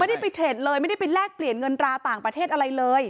ไม่ได้ไปเทรดเลยไม่ได้ไปแลกเปลี่ยนเงินตราต่างประเทศอะไรเลย